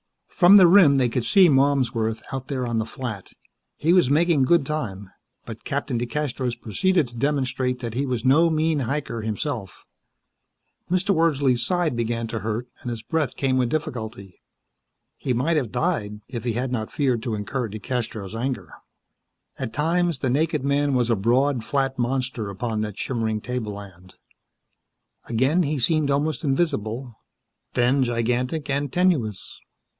From the rim they could see Malmsworth out there on the flat. He was making good time, but Captain DeCastros proceeded to demonstrate that he was no mean hiker, himself. Mr. Wordsley's side began to hurt, and his breath came with difficulty. He might have died, if he had not feared to incur DeCastros' anger. At times the naked man was a broad, flat monster upon that shimmering tableland. Again he seemed almost invisible; then gigantic and tenuous.